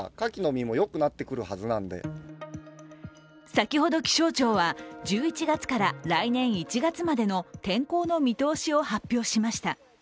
先ほど気象庁は１１月から来年１月までの天候の見通しを発表しました。